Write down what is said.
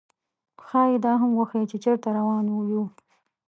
ښايي دا هم وښيي، چې چېرته روان یو.